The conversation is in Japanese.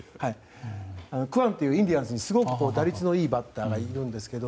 クワンというインディアンズのすごく打率のいいバッターがいるんですけど。